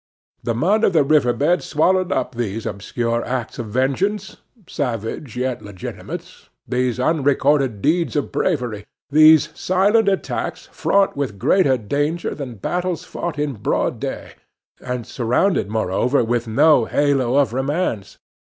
The mud of the river bed swallowed up these obscure acts of vengeance savage, yet legitimate; these unrecorded deeds of bravery; these silent attacks fraught with greater danger than battles fought in broad day, and surrounded, moreover, with no halo of romance.